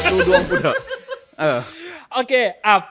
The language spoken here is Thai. ดูดวงกูเถอะ